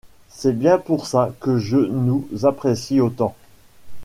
C’est bien pour ça que je nous apprécie autant.